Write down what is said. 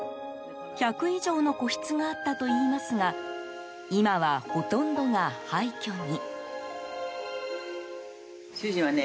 １００以上の個室があったといいますが今は、ほとんどが廃虚に。